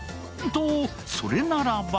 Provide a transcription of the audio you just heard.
と、それならば